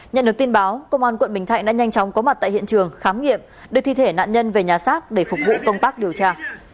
nhận được tin báo công an quận bình thạnh đã nhanh chóng có mặt tại hiện trường khám nghiệm đưa thi thể nạn nhân về nhà xác để phục vụ công tác điều tra